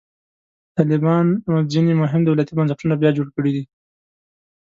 طالبانو ځینې مهم دولتي بنسټونه بیا جوړ کړي دي.